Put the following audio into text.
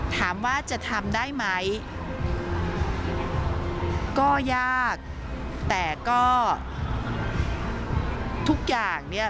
ถามว่าจะทำได้ไหมก็ยากแต่ก็ทุกอย่างเนี่ย